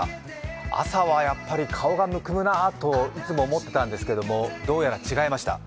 朝はやっぱり顔がむくむなといつも思ってたんですけどどうやら違いました。